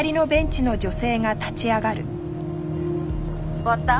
終わった？